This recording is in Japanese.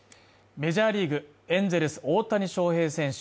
メジャーリーグエンゼルス大谷翔平選手